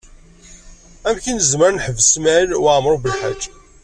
Amek i nezmer ad neḥbes Smawil Waɛmaṛ U Belḥaǧ?